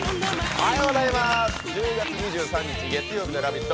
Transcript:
おはようございます、１０月２３日月曜日の「ラヴィット！」